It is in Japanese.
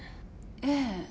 ええ。